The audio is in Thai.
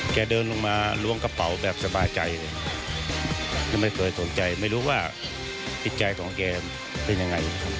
เดินลงมาล้วงกระเป๋าแบบสบายใจเลยไม่เคยสนใจไม่รู้ว่าจิตใจของแกเป็นยังไง